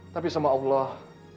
tapi sama allah